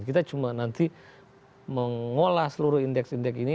kita cuma nanti mengolah seluruh indeks indeks ini